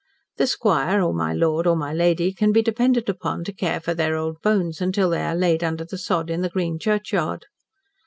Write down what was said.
The squire or my lord or my lady can be depended upon to care for their old bones until they are laid under the sod in the green churchyard.